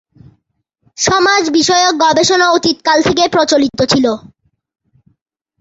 সমাজ বিষয়ক গবেষণা অতীত কাল থেকেই প্রচলিত ছিল।